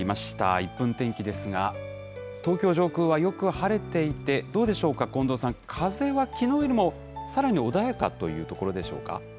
１分天気ですが、東京上空はよく晴れていて、どうでしょうか、近藤さん、風はきのうよりも、さらに穏やかというところでしょうか。